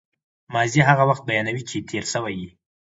ماضي هغه وخت بیانوي، چي تېر سوی يي.